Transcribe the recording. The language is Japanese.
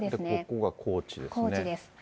ここが高知ですね。